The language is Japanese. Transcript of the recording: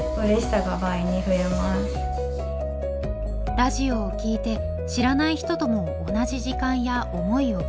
ラジオを聴いて知らない人とも同じ時間や思いを共有する。